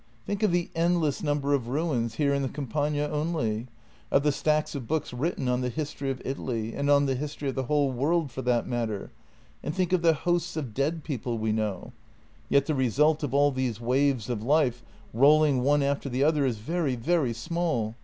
Think of the endless number of ruins here in the Campagna only; of the stacks of books written on the history of Italy — and on the history of the whole world for that matter — and think of the hosts of dead people we know. Yet the result of all these waves of life, rolling one after the other, is very, very small.